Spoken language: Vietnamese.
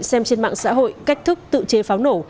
xem trên mạng xã hội cách thức tự chế pháo nổ